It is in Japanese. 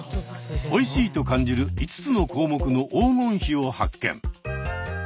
「おいしい」と感じる５つの項目の黄金比を発見。